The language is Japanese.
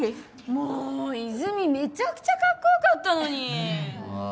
もう泉めちゃくちゃカッコよかったのにあ